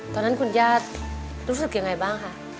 ตอนนั้นคุณย่ารู้สึกยังไงบ้างคะ